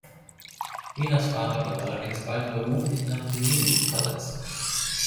Milas Vater wird allerdings bald beruflich nach Fujimi versetzt.